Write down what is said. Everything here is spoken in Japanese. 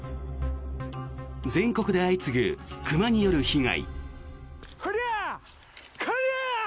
全国で相次ぐ熊による被害。